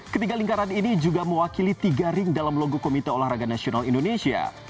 ketiga lingkaran ini juga mewakili tiga ring dalam logo komite olahraga nasional indonesia